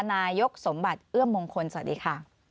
นายกสมบัติเอื้อมมงคลสวัสดีค่ะ